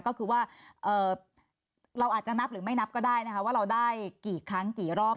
ก็คือว่าเราอาจจะนับหรือไม่นับก็ได้นะคะว่าเราได้กี่ครั้งกี่รอบ